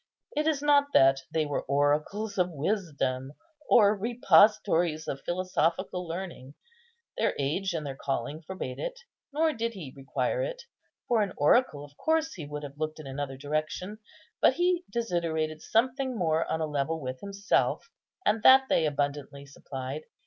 It is not that they were oracles of wisdom or repositories of philosophical learning; their age and their calling forbade it, nor did he require it. For an oracle, of course, he would have looked in another direction; but he desiderated something more on a level with himself, and that they abundantly supplied.